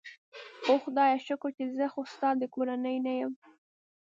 اوه خدایه، شکر چې زه خو ستا د کورنۍ نه یم.